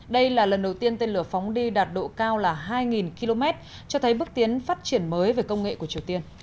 đây là lần đầu tiên tên lửa phóng đi đạt độ cao là hai km cho thấy bước tiến phát triển mới về công nghệ của triều tiên